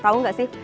dan tau nggak sih